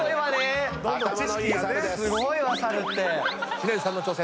知念さんの挑戦